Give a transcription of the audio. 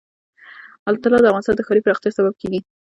طلا د افغانستان د ښاري پراختیا سبب کېږي.